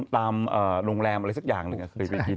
ตามโรงแรมอะไรสักอย่างหนึ่งเคยไปกิน